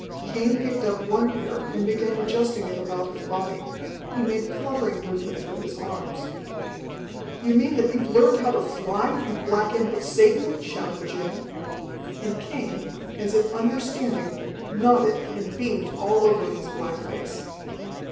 Cain picked up one pair and began adjusting it about his body. He made fluttering movements with his arms. "You mean that you've learned how to fly, you black imp of Satan?" shouted Jim. And Cain, as if understanding, nodded and beamed all over his black face.